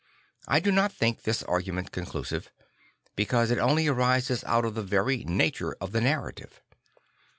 I do not think this argument conclusive; because it only arises out of the very nature of the narrative.